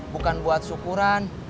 bukan buat syukuran